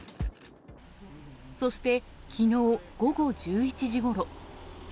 そして、きのう午後１１時ごろ。